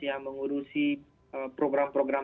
yang mengurusi program program